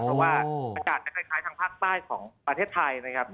เพราะว่าอากาศจะคล้ายทางภาคใต้ของประเทศไทยนะครับ